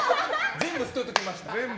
全部捨てておきました。